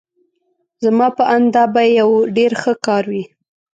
زما په آند دا به یو ډېر ښه کار وي.